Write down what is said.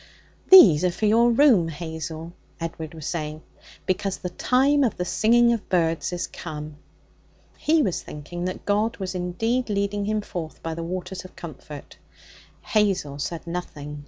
'These are for your room, Hazel,' Edward was saying, 'because the time of the singing of birds is come.' He was thinking that God was indeed leading him forth by the waters of comfort. Hazel said nothing.